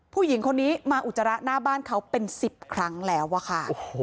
ผู้หญิงคนนี้มาอุจจาระหน้าบ้านเขาเป็น๑๐ครั้งแล้วอะค่ะ